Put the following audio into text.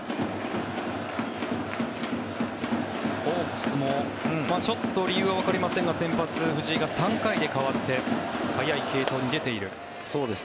ホークスもちょっと理由はわかりませんが先発、藤井が３回で代わって早い継投に出ている。